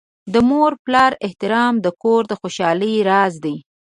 د مور پلار احترام د کور د خوشحالۍ راز دی.